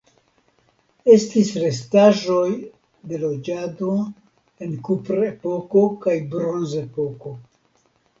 Estis restaĵoj de loĝado en Kuprepoko kaj Bronzepoko.